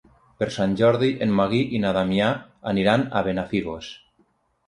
Per Sant Jordi en Magí i na Damià aniran a Benafigos.